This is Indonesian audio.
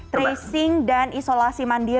tracing dan isolasi mandiri ya